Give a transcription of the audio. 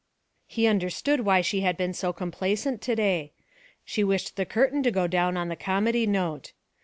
He understood why she had been so complaisant to day. She wished the curtain to go down on the comedy note.